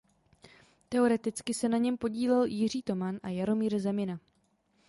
Teoreticky se na něm podílel Jiří Toman a Jaromír Zemina.